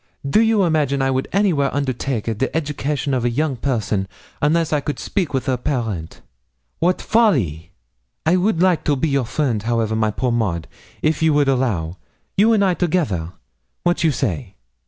Do you imagine I would anywhere undertake a the education of a young person unless I could speak with her parent? wat folly! I would like to be your friend, however, my poor Maud, if you would allow you and I together wat you say?'